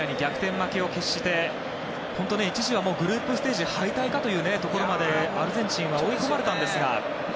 負けを喫して一時は、グループステージ敗退かというところまでアルゼンチンは追い込まれたんですが。